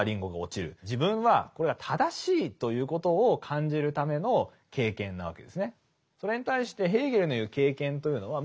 自分はこれが正しいということを感じるための経験なわけですね。